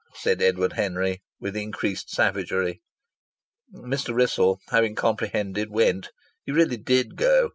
said Edward Henry, with increased savagery. Mr. Wrissell, having comprehended, went. He really did go.